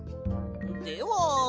では。